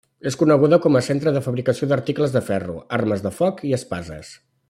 És coneguda com a centre de fabricació d'articles de ferro, armes de focs i espases.